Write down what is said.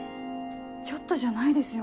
ちょっとじゃないですよこれ。